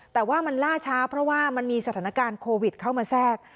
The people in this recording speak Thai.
แต่ว่ามันล่าช้าเพราะว่ามันมีสถานการณ์โควิดเข้ามาแทรก